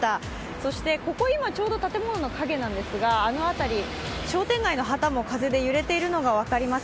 そしてここ今ちょうど建物の陰なんですが、この辺り、商店街の旗も風で揺れているのが分かります。